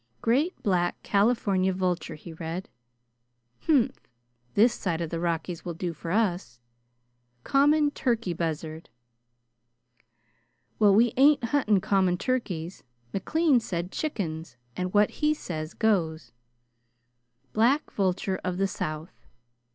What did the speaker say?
"'Great black California vulture,'" he read. "Humph! This side the Rockies will do for us." "'Common turkey buzzard.'" "Well, we ain't hunting common turkeys. McLean said chickens, and what he says goes." "'Black vulture of the South.'"